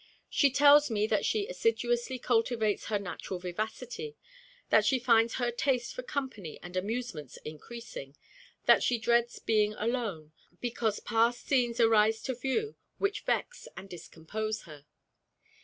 She tells me that she assiduously cultivates her natural vivacity; that she finds her taste for company and amusements increasing; that she dreads being alone, because past scenes arise to view which vex and discompose her.